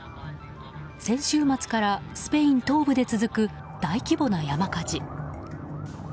先週末からスペイン東部で続く大規模な山火事。